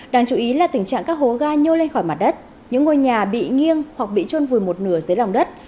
đáng chú ý là tình trạng các hố ga nhô lên khỏi mặt đất những ngôi nhà bị nghiêng hoặc bị trôn vùi một nửa dưới lòng đất